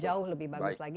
jauh lebih bagus lagi